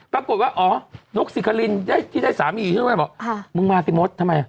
ปรากฏว่าอ๋อนกสิกรินที่ได้สามีอยู่ช่วยบอกมึงมาติมศทำไม